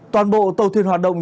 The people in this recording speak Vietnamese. toàn bộ tàu thuyền hoạt động